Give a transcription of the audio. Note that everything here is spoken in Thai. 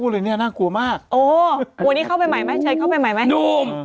เริ่มมาถาม